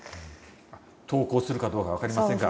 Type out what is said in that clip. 登校するかどうか分かりませんが。